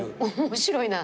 面白いな。